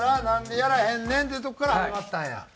「なんでやらへんねん」っていうとこから始まったんや。